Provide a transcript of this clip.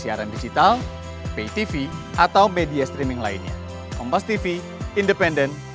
iya kan kemarin saya sudah bilang semuanya dirangkul